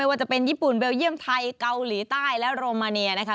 ว่าจะเป็นญี่ปุ่นเบลเยี่ยมไทยเกาหลีใต้และโรมาเนียนะคะ